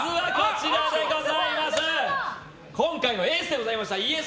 今回のエースでございましたＹｅｓ！